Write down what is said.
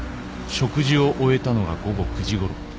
食事を終えたのが午後９時ごろ。